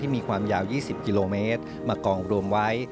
มีความยาว๒๐กิโลเมตรมากองรวมไว้